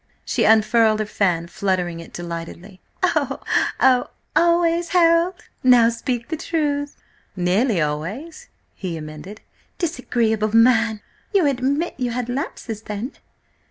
She unfurled her fan, fluttering it delightedly. "Oh! Oh! Always, Harold? Now speak the truth!" "Nearly always," he amended. "Disagreeable man! You admit you had lapses then?"